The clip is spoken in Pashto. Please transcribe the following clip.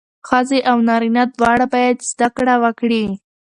ښځې او نارینه دواړه باید زدهکړه وکړي.